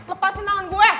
eh lepasin tangan gue